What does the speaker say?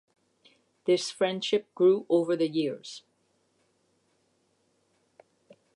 This friendship grew over the years.